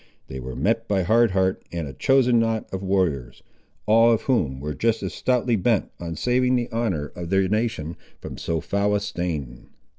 They were met by Hard Heart and a chosen knot of warriors, all of whom were just as stoutly bent on saving the honour of their nation, from so foul a stain.